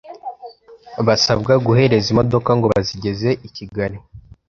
basabwa guhereza imodoka ngo bazigeze i Kigali.